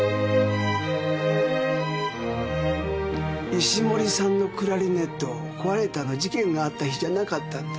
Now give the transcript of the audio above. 石森さんのクラリネット壊れたの事件のあった日じゃなかったんですよ。